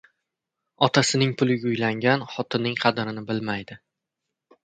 • Otasining puliga uylangan xotinning qadrini bilmaydi.